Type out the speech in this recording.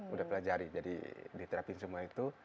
udah pelajari jadi diterapin semua itu